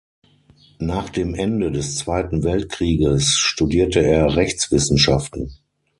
Nach dem Ende des Zweiten Weltkrieges studierte er Rechtswissenschaften.